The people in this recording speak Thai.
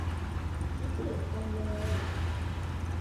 คิดถึงจังเลย